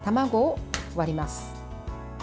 まず、卵を割ります。